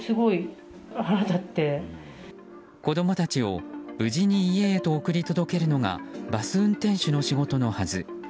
子供たちを無事に家へと送り届けるのがバス運転手の仕事のはず。